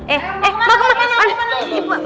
eh emak kemana